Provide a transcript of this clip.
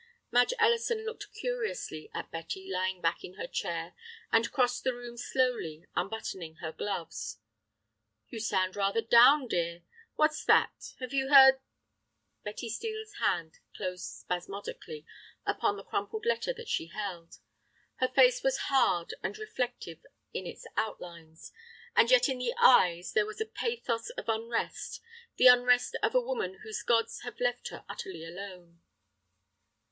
Madge Ellison looked curiously at Betty lying back in her chair, and crossed the room slowly, unbuttoning her gloves. "You sound rather down, dear. What's that? Have you heard—?" Betty Steel's hand closed spasmodically upon the crumpled letter that she held. Her face was hard and reflective in its outlines. And yet in the eyes there was a pathos of unrest, the unrest of a woman whose gods have left her utterly alone.